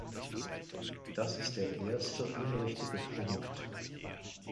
Das ist der erste unrichtige Punkt.